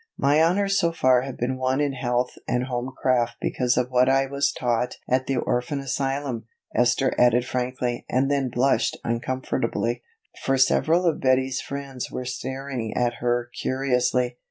"My honors so far have been won in health and home craft because of what I was taught at the orphan asylum," Esther added frankly and then blushed uncomfortably, for several of Betty's friends were staring at her curiously.